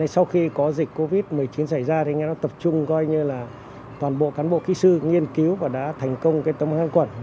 sau khi có dịch covid một mươi chín xảy ra tập trung toàn bộ cán bộ kỹ sư nghiên cứu và đã thành công tấm kháng khuẩn